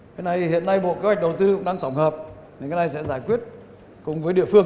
cái này hiện nay bộ kế hoạch đầu tư cũng đang tổng hợp thì cái này sẽ giải quyết cùng với địa phương